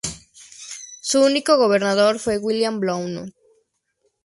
Su único gobernador fue William Blount.